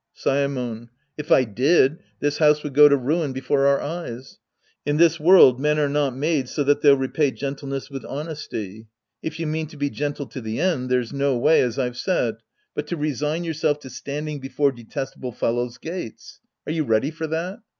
Saemon. If I did, this house would go to ruin before our eyes. In this world men are not made so that they'll repay gentleness with honesty. If you mean to be gentle to the end, there's no way, as I've said, but to resign youi'self to standing before detesta ble fellows' gates. Are you ready for that?